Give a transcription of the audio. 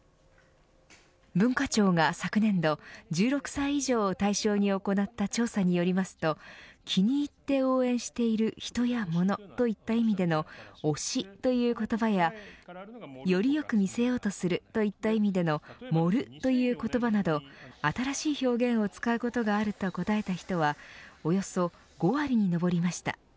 文化庁が、昨年度１６歳以上を対象に行った調査によりますと気に入って応援している人や物といった意味での推し、という言葉やより良く見せようとするといった意味での盛るという言葉など新しい表現を使うことがあると答えた人はおよそ５割に上りました。